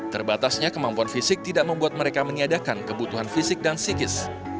terbatasnya kemampuan fisik tidak membuat mereka meniadakan kebutuhan fisik dan psikis